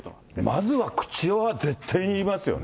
まずは口輪は絶対にいりますよね。